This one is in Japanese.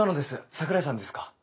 桜井さんですか？